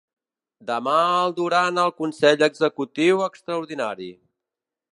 Demà el durant al consell executiu extraordinari.